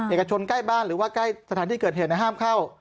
เอกชนใกล้บ้านหรือว่าใกล้สถานที่เกิดเหตุห้ามเข้า